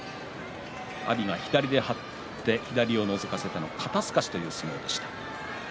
阿炎が左に張って左をのぞかせ肩すかしという相撲でした。